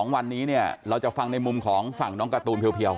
๒วันนี้เนี่ยเราจะฟังในมุมของฝั่งน้องการ์ตูนเพียว